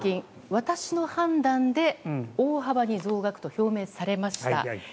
私の判断で大幅に増額と表明されました。